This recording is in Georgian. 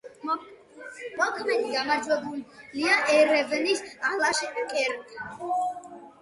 მოქმედი გამარჯვებულია ერევნის „ალაშკერტი“.